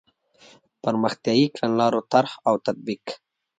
پرمختیایي کړنلارو طرح او تطبیق.